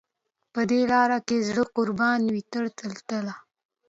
په دې لار کې زړه قربان وي تل تر تله.